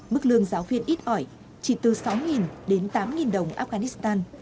mức lương giáo viên ít ỏi chỉ từ sáu đến tám đồng afghanistan